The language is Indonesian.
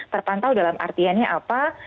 terpantau dalam artiannya apa